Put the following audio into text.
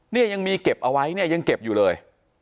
เนี่ยยังมีเก็บเอาไว้เนี่ยยังเก็บอยู่เลย